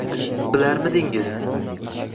Bilarmidingiz?